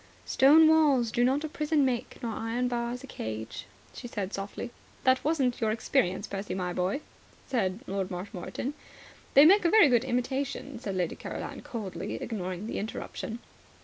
"Stone walls do not a prison make nor iron bars a cage," she said softly. "That wasn't your experience, Percy, my boy," said Lord Marshmoreton. "They make a very good imitation," said Lady Caroline coldly, ignoring the interruption.